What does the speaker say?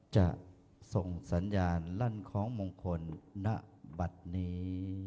จะส่งสัญญาณลั่นคล้องมงคลณบัตรนี้